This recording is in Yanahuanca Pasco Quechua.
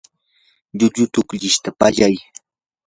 llullu tuklishta pallay.